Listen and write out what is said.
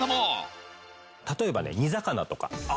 例えばね煮魚とか。